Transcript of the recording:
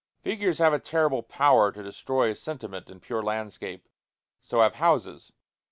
Figures have a terrible power to destroy sentiment in pure landscape; so have houses.